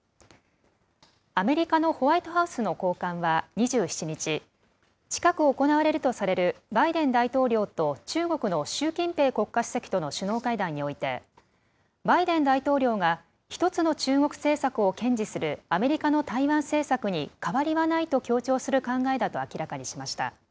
アメリカのホワイトハウスの高官は２７日、近く行われるとされるバイデン大統領と中国の習近平国家主席との首脳会談において、バイデン大統領が１つの中国政策を堅持するアメリカの台湾政策に変わりはないと強調する考えだと明らかにしました。